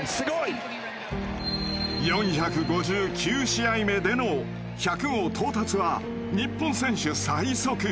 ４５９試合目での１００号到達は日本選手最速。